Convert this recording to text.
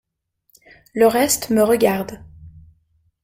Le reste me regarde.